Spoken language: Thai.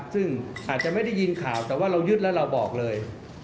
ซึ่งอาจจะไม่ได้ยินข่าวแต่ว่าเรายึดแล้วเราบอกเลย